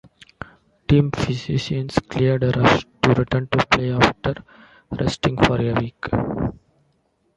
Team physicians cleared Rush to return to play after resting for a week.